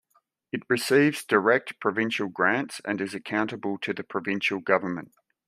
It receives direct provincial grants and is accountable to the provincial government.